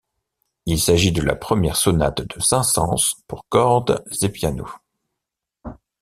Il s'agit de la première sonate de Saint-Saëns pour cordes et piano.